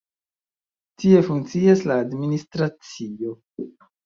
Tie funkcias la administracio.